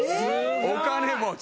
お金持ち。